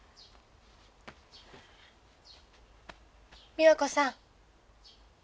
美和子さん。